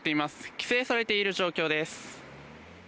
規制されている状況です。